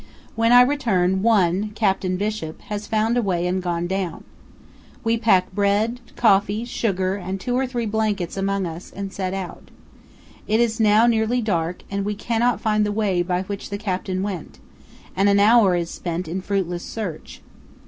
When I return, one, Captain Bishop, has found a way and gone down. We pack bread, coffee, sugar, and two or three blankets among us, and set out. It is now nearly dark, and we cannot find the way by which the captain powell canyons 195.jpg THE HUMAN PICKLE. went, and an hour is spent in fruitless search.